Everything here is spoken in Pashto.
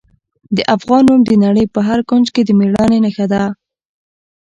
د افغان نوم د نړۍ په هر کونج کې د میړانې نښه ده.